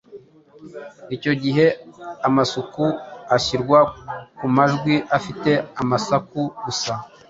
Icyo gihe amasaku ashyirwa ku majwi afite amasaku gusa